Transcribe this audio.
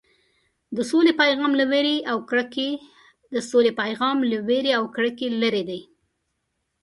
د سولې پیغام له وېرې او کرکې لرې دی.